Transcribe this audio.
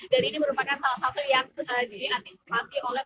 dan ini merupakan salah satu yang diantisipasi oleh